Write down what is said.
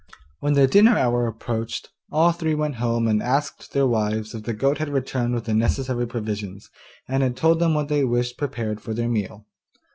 When the dinner hour approached all three went home and asked their wives if the goat had returned with the necessary provisions, and had told them what they wished prepared for their meal.